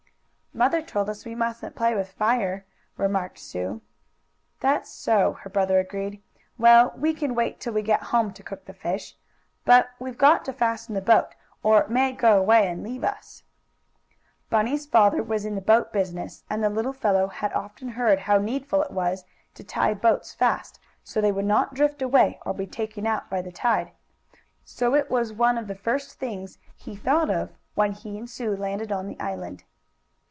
"Mother told us we musn't play with fire," remarked Sue. "That's so," her brother agreed. "Well, we can wait till we get home to cook the fish. But we've got to fasten the boat, or it may go away and leave us." Bunny's father was in the boat business and the little fellow had often heard how needful it was to tie boats fast so they would not drift away or be taken out by the tide. So it was one of the first things he thought of when he and Sue landed on the island.